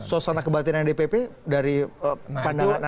suasana kebatinan dpp dari pandangan anda